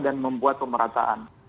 dan membuat pemerataan